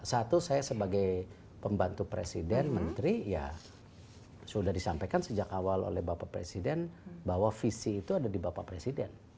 satu saya sebagai pembantu presiden menteri ya sudah disampaikan sejak awal oleh bapak presiden bahwa visi itu ada di bapak presiden